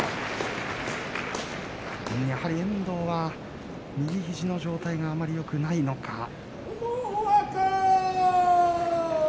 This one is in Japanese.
やはり遠藤は右肘の状態があまりよくないのか。